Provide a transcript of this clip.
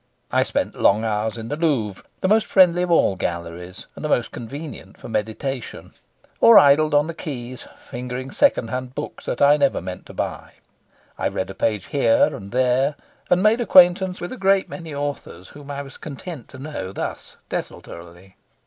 I spent long hours in the Louvre, the most friendly of all galleries and the most convenient for meditation; or idled on the quays, fingering second hand books that I never meant to buy. I read a page here and there, and made acquaintance with a great many authors whom I was content to know thus desultorily.